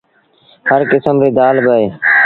هر ڪسم ريٚ دآل با اهي۔